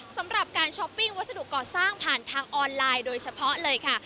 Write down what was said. สำหรับการช้อปปิ้งวัสดุก่อสร้างผ่านทางออนไลน์โดยเฉพาะเลยค่ะ